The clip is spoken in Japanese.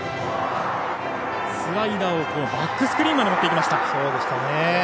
スライダーをバックスクリーンまで持っていきました。